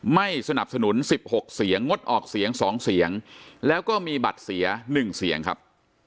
ไม่สนับสนุน๑๖เสียงงดออกเสียง๒เสียงแล้วก็มีบัตรเสีย๑เสียงครับ